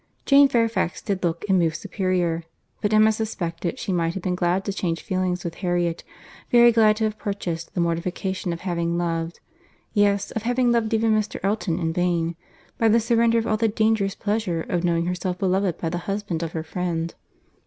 Jane Fairfax did look and move superior; but Emma suspected she might have been glad to change feelings with Harriet, very glad to have purchased the mortification of having loved—yes, of having loved even Mr. Elton in vain—by the surrender of all the dangerous pleasure of knowing herself beloved by the husband of her friend.